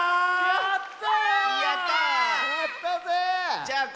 やった！